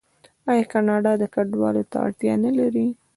آیا کاناډا کډوالو ته اړتیا نلري؟